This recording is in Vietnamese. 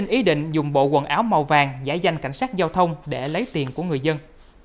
ý định dùng bộ quần áo màu vàng giải danh cảnh sát giao thông để lấy tiền của người dân